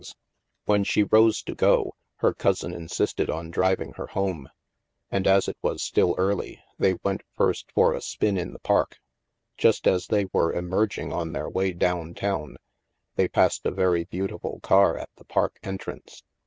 THE MAELSTROM 259 When she rose to go, her cousin insisted on driv ing her home. And, as it was still early, they went first for a spin in the Park. Just as they were emerging on their way down town, they passed a very beautiful car at the Park entrance.